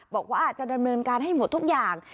บอกว่าอาจจะดำเนินการให้หมดทุกอย่าง